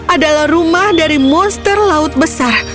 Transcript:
adalah rumah dari monster laut besar